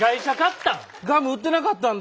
ガム売ってなかったんで。